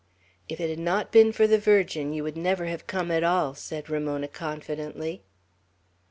"If it had not been for the Virgin, you would never have come at all," said Ramona, confidently.